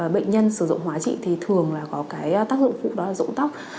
bệnh nhân sử dụng hóa trị thì thường là có tác dụng phụ đó là dụng tóc